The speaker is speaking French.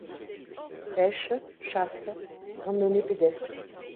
Pêche, chasse, randonnée pédestre,